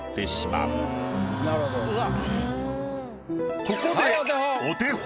うわ！